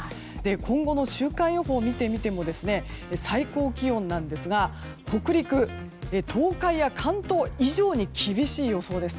今後の週間予報を見てみても最高気温なんですが北陸・東海や関東以上に厳しい予想です。